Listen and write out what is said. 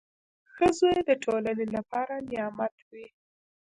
• ښه زوی د ټولنې لپاره نعمت وي.